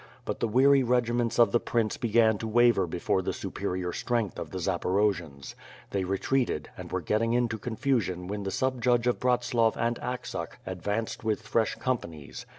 But the weary regiments of the prince began to waver before the superior strength of the Zaporojians. They retreated and were getting into confusion when the sub judge of Bratslav and Aksak advanced with fresh companies.